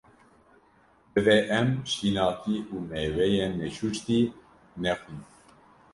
Divê em şînatî û mêweyên neşuştî, nexwin.